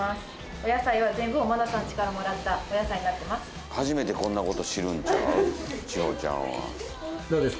お野菜は全部尾花さんちからもらったお野菜になってます。